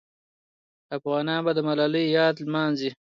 افغانان به د ملالۍ یاد لمانځلې وي.